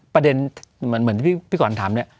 ประเด็นเหมือนที่พี่ก่อนถาม